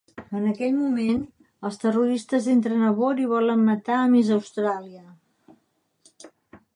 En aquell moment, els terroristes entren a bord i volen matar Miss Austràlia.